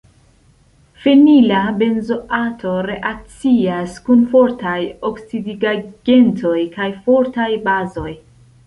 Fenila benzoato reakcias kun fortaj oksidigagentoj kaj fortaj bazoj.